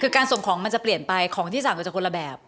คือการส่งของมันจะเปลี่ยนไปของที่สั่งก็จะคนละแบบ